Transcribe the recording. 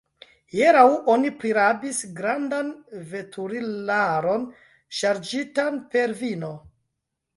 Hieraŭ oni prirabis grandan veturilaron, ŝarĝitan per vino.